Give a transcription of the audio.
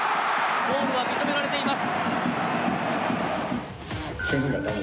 ゴールは認められています。